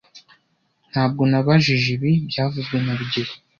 Ntabwo nabajije ibi byavuzwe na rugero